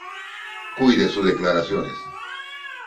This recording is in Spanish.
Cuide sus declaraciones.